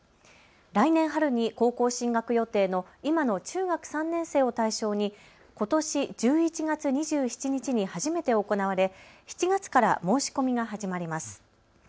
来年春に高校進学予定の今の中学３年生を対象にことし１１月２７日に初めて行われ７月から申し込みが始まります。